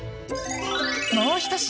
もう一品。